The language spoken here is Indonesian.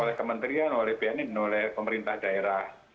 oleh kementerian oleh bnn dan oleh pemerintah daerah